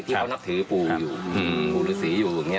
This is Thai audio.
ที่เขานับถือปูหรือสีอยู่อย่างนี้